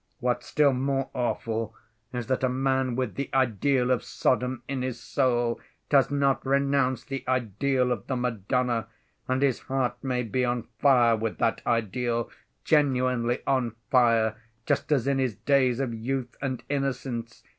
What's still more awful is that a man with the ideal of Sodom in his soul does not renounce the ideal of the Madonna, and his heart may be on fire with that ideal, genuinely on fire, just as in his days of youth and innocence.